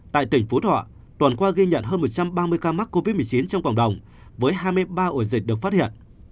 tại tỉnh phú thọ tuần qua ghi nhận hơn một trăm ba mươi ca mắc covid một mươi chín trong cộng đồng với hai mươi ba ổ dịch được phát hiện